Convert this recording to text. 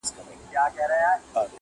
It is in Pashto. عجايب يې دي رنگونه د ټوكرانو٫